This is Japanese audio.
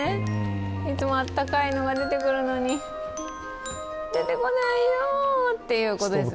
いつも暖かいのが出てくるのに出てこないよっていうことですね。